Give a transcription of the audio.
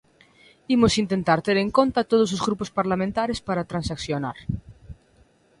Imos intentar ter en conta a todos os grupos parlamentares para transaccionar.